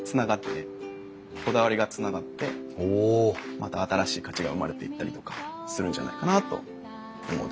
また新しい価値が生まれていったりとかするんじゃないかなと思うところです。